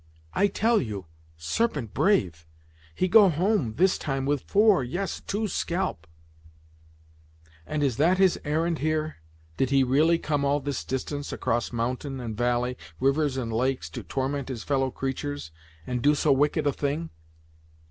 "I tell you, Serpent brave; he go home, this time, with four, yes two scalp." "And is that his errand, here? Did he really come all this distance, across mountain, and valley, rivers and lakes, to torment his fellow creatures, and do so wicked a thing?"